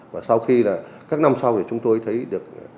và sau khi là các năm sau thì chúng tôi thấy được bà con